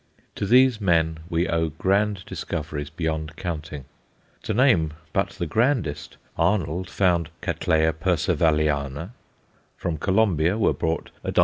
To these men we owe grand discoveries beyond counting. To name but the grandest, Arnold found Cattleya Percevaliana; from Colombia were brought _Odont.